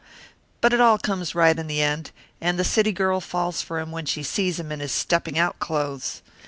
But it all comes right in the end, and the city girl falls for him when she sees him in his stepping out clothes.